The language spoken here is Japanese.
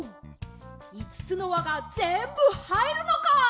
いつつのわがぜんぶはいるのか？